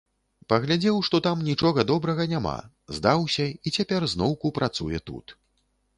Паглядзеў, што там нічога добрага няма, здаўся і цяпер зноўку працуе тут.